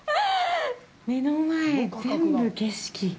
目の前、全部、景色！